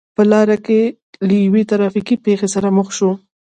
په لار کې له یوې ترا فیکې پېښې سره مخ شوم.